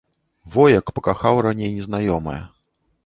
Во як пакахаў раней незнаёмае.